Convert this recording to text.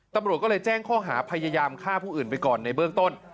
ตำรวจก็เลยแจ้งข้อหาพยายามฆ่าผู้อื่นไปก่อนในเบื้องต้น